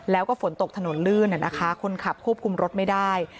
แล้วก็ฝนตกถนนลื่นคนขับควบคุมรถไม่ได้